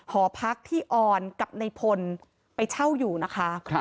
หอพักที่ออนกับในพลไปเช่าอยู่นะคะ